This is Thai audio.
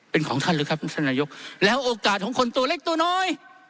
เป็นของท่านหรือครับท่านนายกแล้วโอกาสของคนตัวเล็กตัวน้อย